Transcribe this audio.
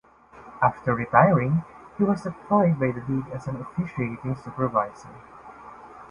After retiring, he was employed by the league as an officiating supervisor.